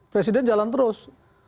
presiden jalan terus